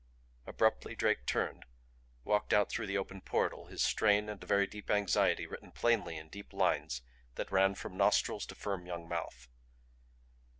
Abruptly Drake turned, walked out through the open portal, his strain and a very deep anxiety written plainly in deep lines that ran from nostrils to firm young mouth.